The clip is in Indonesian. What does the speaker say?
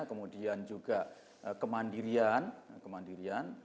kemudian juga kemandirian